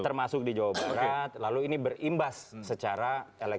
termasuk di jawa barat lalu ini berimbas secara elektronik